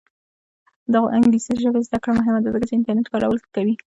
د انګلیسي ژبې زده کړه مهمه ده ځکه چې انټرنیټ کارول ښه کوي.